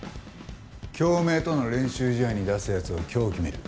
京明との練習試合に出す奴を今日決める。